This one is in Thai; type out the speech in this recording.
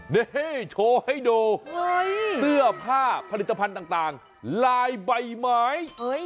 นี่โชว์ให้ดูเสื้อผ้าผลิตภัณฑ์ต่างลายใบไม้